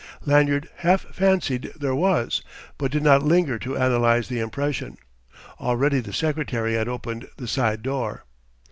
Lanyard half fancied there was, but did not linger to analyse the impression. Already the secretary had opened the side door.